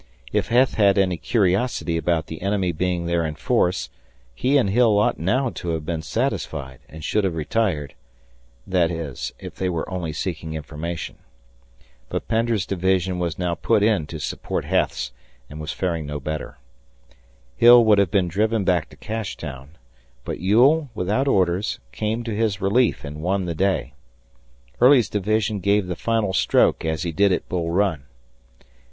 If Heth had any curiosity about the enemy being there in force, he and Hill ought now to have been satisfied and should have retired that is, if they were only seeking information. But Pender's division was now put in to support Heth's and was faring no better. Hill would have been driven back to Cashtown, but Ewell, without orders, came to his relief and won the day. Early's division gave the final stroke as he did at Bull Run.